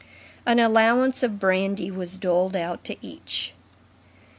An allowance of brandy was doled out to each.